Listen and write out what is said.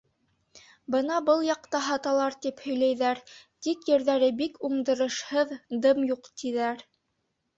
— Бына был яҡта һаталар тип һөйләйҙәр, тик ерҙәре бик уңдырышһыҙ, дым юҡ, тиҙәр.